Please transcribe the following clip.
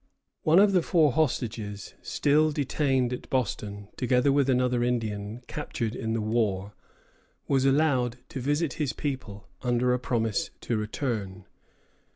One of the four hostages still detained at Boston, together with another Indian captured in the war, was allowed to visit his people, under a promise to return.